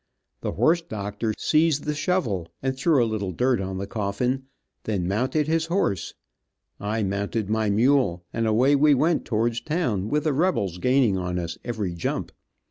The horse doctor seized the shovel and threw a little dirt on the coffin, then mounted his horse, I mounted my mule, and away we went towards town, with the rebels gaining on us every jump.